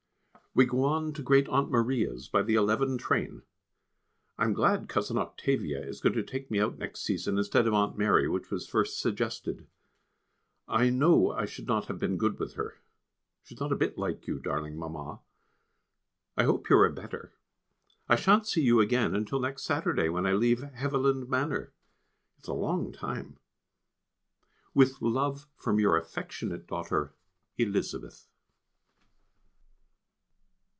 We go on to Great aunt Maria's by the eleven train. I am glad Cousin Octavia is going to take me out next season instead of Aunt Mary, which was first suggested. I know I should not have been good with her. She is not a bit like you, darling Mamma. I hope you are better; I shan't see you again until next Saturday, when I leave Heaviland Manor. It is a long time. With love from your affectionate daughter, Elizabeth.